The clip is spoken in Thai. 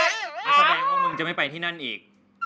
แล้วแสดงว่ามึงจะไม่ไปที่นั่นอีก